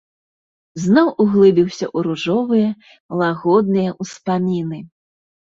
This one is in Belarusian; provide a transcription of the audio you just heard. Зноў углыбіўся ў ружовыя, лагодныя ўспаміны.